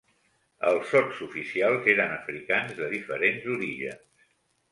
Els sotsoficials eren africans de diferents orígens.